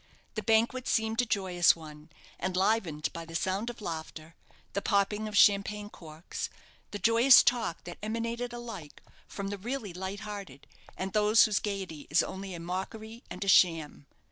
The banquet seemed a joyous one, enlivened by the sound of laughter, the popping of champagne corks, the joyous talk that emanated alike from the really light hearted and those whose gaiety is only a mockery and a sham.